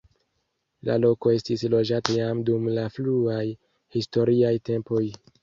La loko estis loĝata jam dum la fruaj historiaj tempoj.